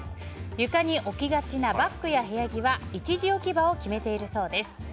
床に置きがちなバッグや部屋着は一時置き場所を決めているそうです。